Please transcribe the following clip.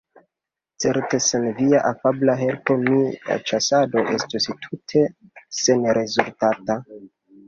Certe, sen via afabla helpo mia ĉasado estus tute senrezultata.